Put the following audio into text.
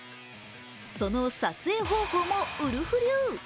その撮影方法もウルフ流。